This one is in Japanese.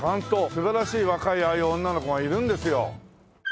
素晴らしい若いああいう女の子がいるんですよ。